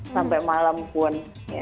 sampai malam pun